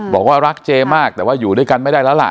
บอกว่ารักเจมากแต่ว่าอยู่ด้วยกันไม่ได้แล้วล่ะ